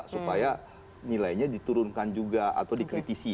supaya nilainya diturunkan juga atau dikritisi